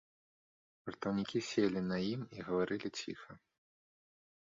Вартаўнікі селі на ім і гаварылі ціха.